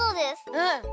うん！